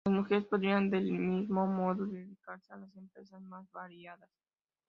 Las mujeres podrían, del mismo modo, dedicarse a las empresas más variadas.